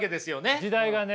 時代がね。